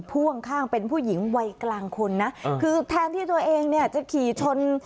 พ่วงข้างเป็นผู้หญิงวัยกลางคนนะคือแทนที่ตัวเองเนี่ยจะขี่ชน